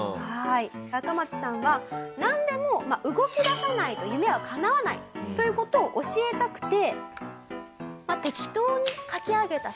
アカマツさんはなんでも動きださないと夢は叶わないという事を教えたくて。